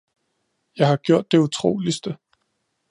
Jeg har gjort det utroligste